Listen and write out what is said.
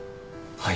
はい。